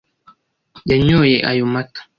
yanyoye ayo mata